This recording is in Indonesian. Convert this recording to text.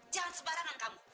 jangan sebarangan kamu